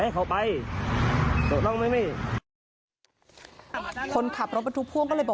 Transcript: เขาโดนไหลกระทงเลย